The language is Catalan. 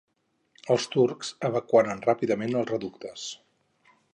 Els turcs evacuaren ràpidament els reductes.